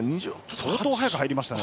相当速く入りましたね。